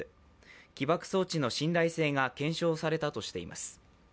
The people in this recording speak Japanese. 起爆装置の信頼性が検証されたとしています。